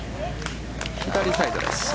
左サイドです。